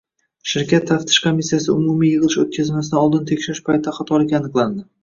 Shirkat taftish komissiyasi umumiy yig‘ilish o‘tkazilmasdan oldin tekshirish paytida xatolik aniqlandi.